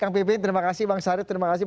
kang pimpin terima kasih bang sary terima kasih